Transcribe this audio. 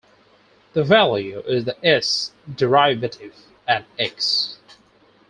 The value is the "S" derivative at "x".